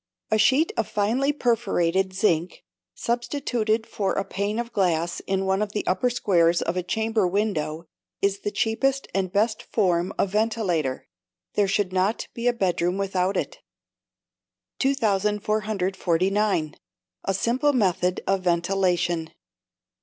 A sheet of finely perforated zinc, substituted for a pane of glass in one of the upper squares of a chamber window, is the cheapest and best form of ventilator; there should not be a bedroom without it. 2449. A Simple Method of Ventilation.